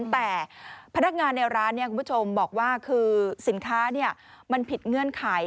แต่พนักงานในร้านคุณผู้ชมบอกว่าคือสินค้ามันผิดเงื่อนไข